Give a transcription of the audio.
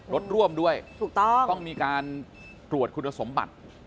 รถร่วมด้วยต้องมีการปรวดคุณสมบัติ